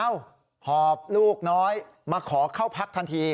หอบลูกน้อยมาขอเข้าพักทันที